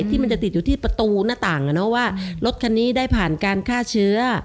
ที่มันจะติดอยู่ที่ประตูหน้าต่างว่ารถคันนี้ได้ผ่านการฆ่าเชื้อ